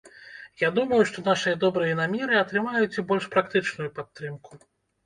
Я думаю, што нашы добрыя намеры атрымаюць і больш практычную падтрымку.